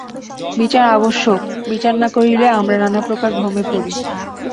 বিচার আবশ্যক, বিচার না করিলে আমরা নানাপ্রকার ভ্রমে পড়ি।